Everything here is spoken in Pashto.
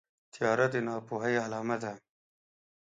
تیاره د ناپوهۍ علامه ده.